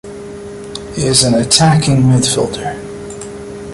He is an attacking midfielder.